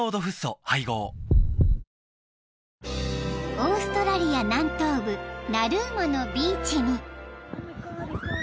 ［オーストラリア南東部ナルーマのビーチに］